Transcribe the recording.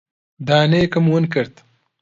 دانەیەکم ون کرد.